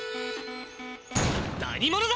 何者だ！？